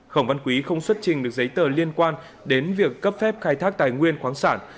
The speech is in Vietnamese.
khổng văn quý không xuất trình được giấy tờ liên quan đến việc cấp phép khai thác tài nguyên khoáng sản